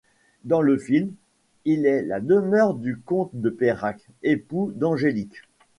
Dans le film, il est la demeure du comte de Peyrac, époux d'Angélique.